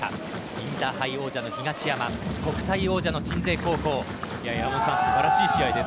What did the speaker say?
インターハイ王者の東山国体王者の鎮西高校素晴らしい試合です。